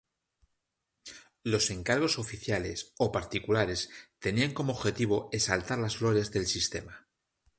Los encargos oficiales o particulares tenían como objetivo exaltar las glorias del sistema.